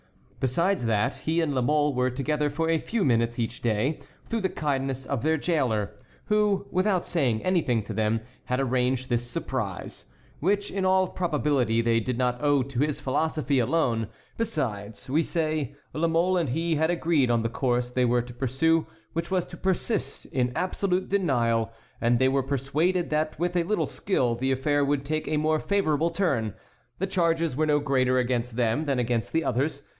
Besides that, he and La Mole were together for a few minutes each day, through the kindness of their jailer, who, without saying anything to them, had arranged this surprise, which in all probability they did not owe to his philosophy alone,—besides, we say, La Mole and he had agreed on the course they were to pursue, which was to persist in absolute denial; and they were persuaded that with a little skill the affair would take a more favorable turn; the charges were no greater against them than against the others.